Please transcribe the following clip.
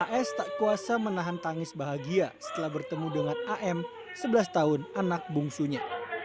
as tak kuasa menahan tangis bahagia setelah bertemu dengan am sebelas tahun anak bungsunya